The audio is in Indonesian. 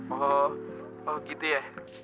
oh gitu ya